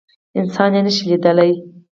انسان يي نشي لیدلی